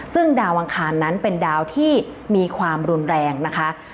ซึ่งดาวอังคารนั้นเป็นดาวที่มีความรุนแรงนะคะ